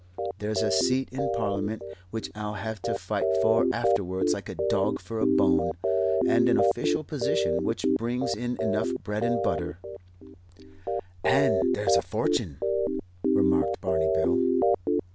There's a seat in Parliament which I'll have to fight for afterwards like a dog for a bone, and an official position which brings in enough bread and butter " "And there's a fortune remarked Barney Bill.